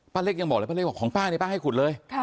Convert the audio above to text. ป้าเล็กยังบอกอะไรของป้านี่ป้าให้ขุดเลย